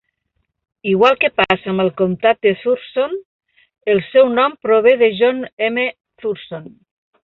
Igual que passa amb el comtat de Thurston, el seu nom prové de John M. Thurston.